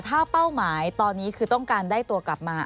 ถ้าเป้าหมายตอนนี้คือต้องการได้ตัวกลับมา